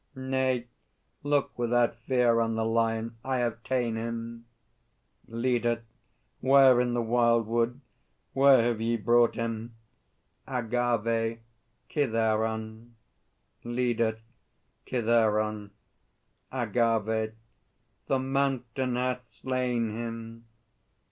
Nay; look without fear on The Lion; I have ta'en him! LEADER. Where in the wildwood? Whence have ye brought him? AGAVE. Kithaeron. ... LEADER. Kithaeron? AGAVE. The Mountain hath slain him!